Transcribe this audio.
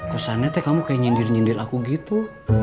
kesannya kamu kayak nyindir nyindir aku gitu